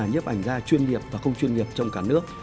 nhấp ảnh ra chuyên nghiệp và không chuyên nghiệp trong cả nước